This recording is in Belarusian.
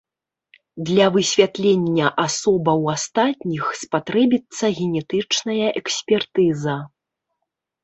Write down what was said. Для высвятлення асобаў астатніх спатрэбіцца генетычная экспертыза.